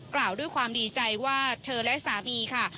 กล่าวด้วยความดีใจว่าเธอและสามีค่ะ